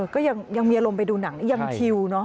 ก็ยังมีอารมณ์ไปดูหนังยังชิวเนอะ